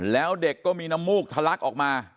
แล้วเด็กก็มีน้ำมูกทะลักออกมา